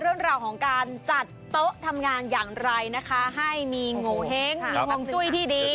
เรื่องราวของการจัดโต๊ะทำงานอย่างไรนะคะให้มีโงเห้งมีฮวงจุ้ยที่ดี